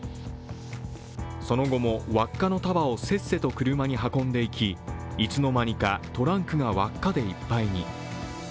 その後も輪っかの束をせっせと車に運んでいき、いつの間にかトランクが輪っかでいっぱいに。